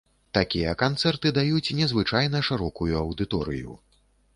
Такія канцэрты даюць незвычайна шырокую аўдыторыю.